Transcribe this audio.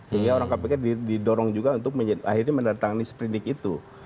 sehingga orang kpk didorong juga untuk akhirnya mendatangi seprindik itu